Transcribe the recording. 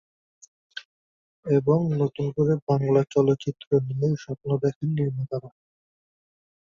এবং নতুন করে বাংলা চলচ্চিত্র নিয়ে স্বপ্ন দেখেন নির্মাতারা।